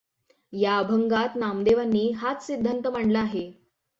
या अभंगात नामदेवांनी हाच सिद्धान्त मांडला आहे.